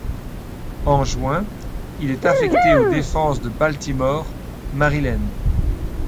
En juin, il est affecté aux défenses de Baltimore, Maryland.